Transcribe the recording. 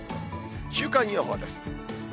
週間予報です。